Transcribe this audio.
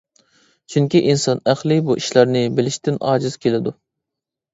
چۈنكى ئىنسان ئەقلى بۇ ئىشلارنى بىلىشتىن ئاجىز كېلىدۇ.